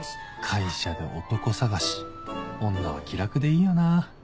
会社で男探し女は気楽でいいよな